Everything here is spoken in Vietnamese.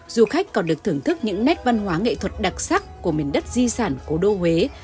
du khách còn được thưởng thức những nét văn hóa nghệ thuật đặc sắc của miền đất di sản cố đô huế